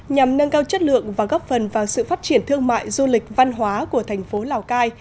nhằm nâng cao chất lượng và góp phần vào sự phát triển thương mại du lịch văn hóa của thành phố lào cai